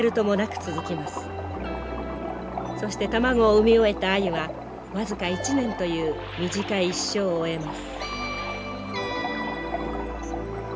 そして卵を産み終えたアユは僅か１年という短い一生を終えます。